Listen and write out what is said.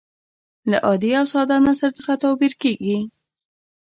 له عادي او ساده نثر څخه توپیر کیږي.